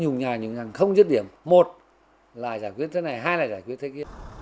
nhung nhà nhung hàng không chất điểm một là giải quyết thế này hai là giải quyết thế kia